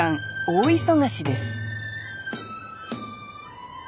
大忙しです